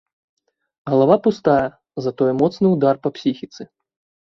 Галава пустая, затое моцны ўдар па псіхіцы.